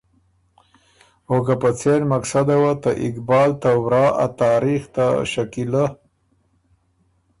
او که په څېن مقصده وه ته اقبال ته ورا ا تاریخ ته شکیلۀ